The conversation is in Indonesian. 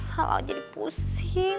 kalau jadi pusing